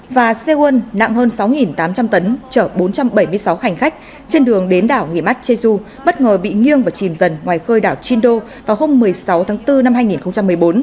và seoul nặng hơn sáu tám trăm linh tấn chở bốn trăm bảy mươi sáu hành khách trên đường đến đảo nghỉ mát cheju bất ngờ bị nghiêng và chìm dần ngoài khơi đảo chindo vào hôm một mươi sáu tháng bốn năm hai nghìn một mươi bốn